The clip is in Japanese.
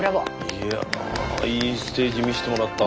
いやいいステージ見せてもらった。